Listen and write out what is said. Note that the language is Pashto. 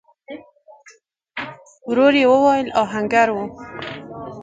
ورو يې وويل: آهنګر و؟